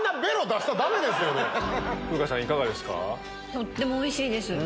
とってもおいしいです。